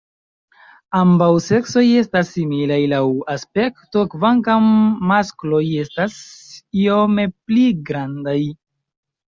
Ambaŭ seksoj estas similaj laŭ aspekto kvankam maskloj estas iome pli grandaj.